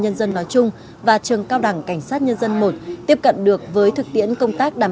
nhân dân nói chung và trường cao đẳng cảnh sát nhân dân i tiếp cận được với thực tiễn công tác đảm